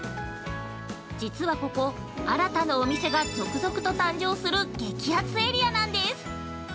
実はここ、新たなお店が続々と誕生する激熱エリアなんです。